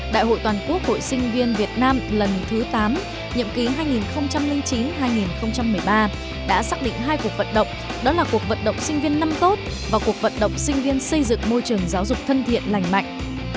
đại hội toàn quốc hội sinh viên việt nam lần thứ tám nhiệm ký hai nghìn chín hai nghìn một mươi ba đã xác định hai cuộc vận động đó là cuộc vận động sinh viên năm tốt và cuộc vận động sinh viên xây dựng môi trường giáo dục thân thiện lành mạnh